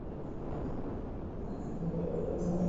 matokeo hayo ina maana rais jonathan